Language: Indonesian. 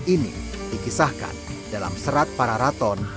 ini dikisahkan dalam serat pararaton